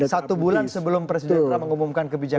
satu bulan sebelum presiden trump mengumumkan kebijakan